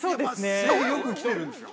◆僕、よく来てるんですよ。